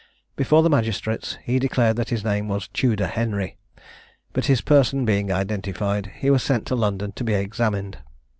Before the magistrates, he declared that his name was Tudor Henry, but his person being identified, he was sent to London to be examined.